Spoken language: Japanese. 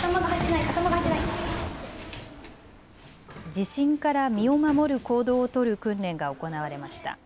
地震から身を守る行動を取る訓練が行われました。